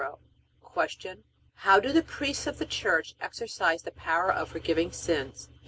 Q. How do the priests of the Church exercise the power of forgiving sins?